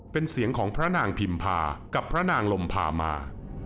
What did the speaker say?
เป็นเสียงของพระนางพิมพากับพระนางลมพามา